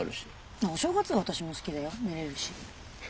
あっお正月は私も好きだよ寝れるし。